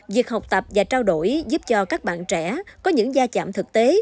việc học tập và trao đổi giúp cho các bạn trẻ có những gia chạm thực tế